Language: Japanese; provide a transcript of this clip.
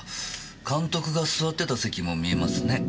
監督が座ってた席も見えますね。